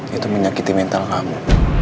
itu menyakiti mental kamu